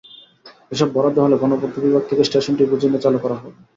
এসব বরাদ্দ হলে গণপূর্ত বিভাগ থেকে স্টেশনটি বুঝে নিয়ে চালু করা হবে।